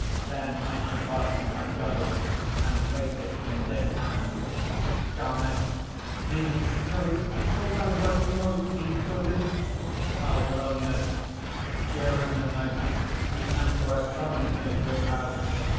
Then I unfastened my girdle and placed it in this hand." DAMIS. "In sooth, thou wert most imprudent!" APOLLONIUS. "During the night the Emperor summoned me to his house.